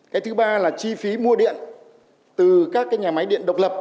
cái thứ ba là chi phí mua điện từ các nhà máy điện độc lập